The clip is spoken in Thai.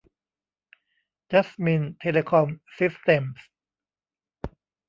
จัสมิน เทเลคอม ซิสเต็มส์